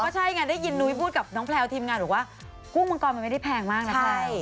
ใช่ไงได้ยินนุ้ยพูดกับน้องแพลวทีมงานบอกว่ากุ้งมังกรมันไม่ได้แพงมากนะพี่